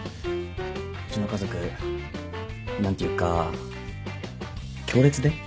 うちの家族何ていうか強烈で。